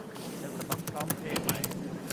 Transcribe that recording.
จะสมัครพร้อมเพย์ไหม